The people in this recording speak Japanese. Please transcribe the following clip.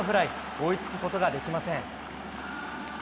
追いつくことができません。